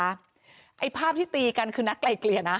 ไอ้ภาพที่ตีกันคือนัดไกลเกลี่ยนะ